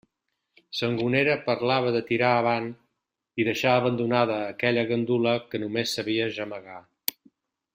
Sangonera parlava de tirar avant i deixar abandonada a aquella gandula que només sabia gemegar.